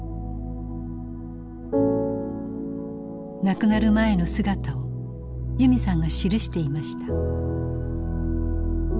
亡くなる前の姿を由美さんが記していました。